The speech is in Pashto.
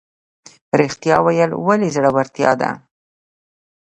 ریښتیا ویل ولې زړورتیا ده؟